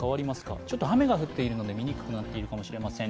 ちょっと雨が降っているので見にくくなっているかもしれません。